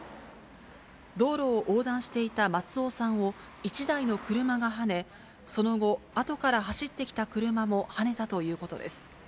道路を横断していた松尾さんを１台の車がはね、その後、後から走ってきた車もはねたということです。